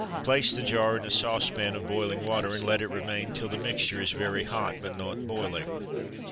Place the jar in a saucepan of boiling water, and let it remain till the mixture is very hot, but not boiling.